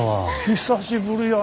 久しぶりやな。